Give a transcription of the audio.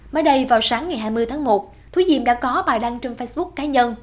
mới đây vào sáng ngày hai mươi tháng một thúy diệm đã có bài đăng trên facebook cá nhân